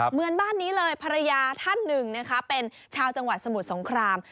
เหมือนบ้านนี้เลยภรรยาท่านหนึ่งนะคะเป็นชาวจังหวัดสมุทรสงคราม